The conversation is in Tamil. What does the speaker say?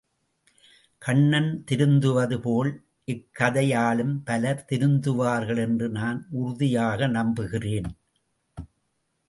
கண்ணன் திருந்துவது போல் இக்கதையாலும் பலர் திருந்துவார்கள் என்று நான் உறுதியாக நம்புகிறேன்.